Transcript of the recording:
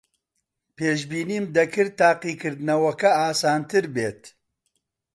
پێشبینیم دەکرد تاقیکردنەوەکە ئاسانتر بێت.